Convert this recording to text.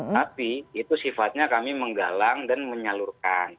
tapi itu sifatnya kami menggalang dan menyalurkan